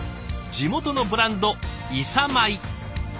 地元のブランド伊佐米。